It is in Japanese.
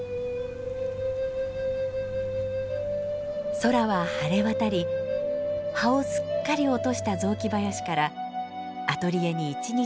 空は晴れ渡り葉をすっかり落とした雑木林からアトリエに一日中日がさし込みます。